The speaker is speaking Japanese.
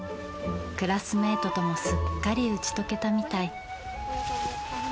クラスメートともすっかり打ち解けたみたい。